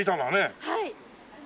はい。